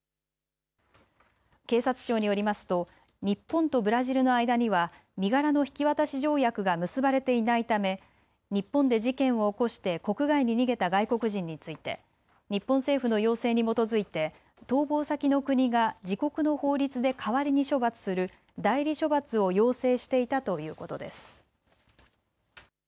警察庁によりますと日本とブラジルの間には身柄の引き渡し条約が結ばれていないため日本で事件を起こして国外に逃げた外国人について日本政府の要請に基づいて逃亡先の国が自国の法律で代わりに処罰する代理処罰を要請していたということです。